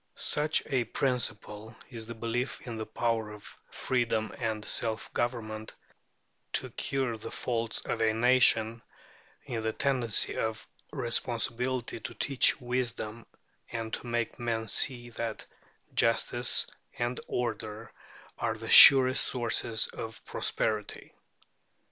Such a principle is the belief in the power of freedom and self government to cure the faults of a nation, in the tendency of responsibility to teach wisdom, and to make men see that justice and order are the surest sources of prosperity.